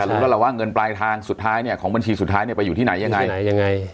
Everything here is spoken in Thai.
รู้แล้วล่ะว่าเงินปลายทางสุดท้ายเนี่ยของบัญชีสุดท้ายเนี่ยไปอยู่ที่ไหนยังไง